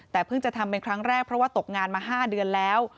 แต่เพิ่งจะทำเป็นครั้งแรกเพราะว่าตกงานมา๕เดือนแล้ว